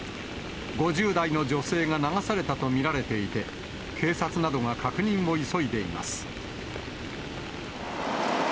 ５０代の女性が流されたと見られていて、警察などが確認を急いでいます。